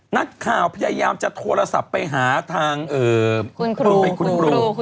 นัดข่าวพยายามจะโทรศัพท์ไปหาทางคุณครู